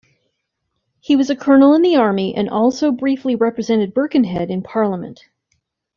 He was a colonel in the army and also briefly represented Birkenhead in Parliament.